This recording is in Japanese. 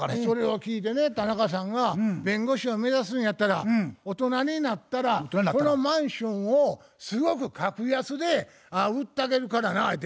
それを聞いてね田中さんが「弁護士を目指すんやったら大人になったらこのマンションをすごく格安で売ったげるからな」